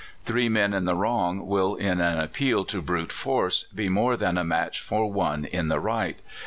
Three men in the wrong will, in an appeal to brute force, be more than a match for one in the right.